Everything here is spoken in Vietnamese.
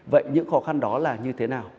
vậy những khó khăn đó là như thế nào